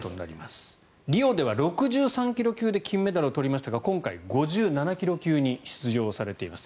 リオでは６３ｋｇ級で金メダルを取りましたが今回は５７ｋｇ級に出場されています。